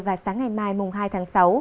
và sáng ngày mai mùng hai tháng sáu